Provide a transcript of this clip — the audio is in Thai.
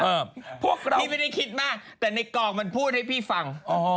พวกเราพี่ไม่ได้คิดมากแต่ในกองมันพูดให้พี่ฟัง